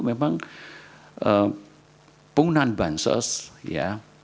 memang penggunaan bansos ya